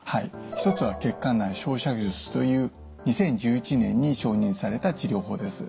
一つは血管内焼灼術という２０１１年に承認された治療法です。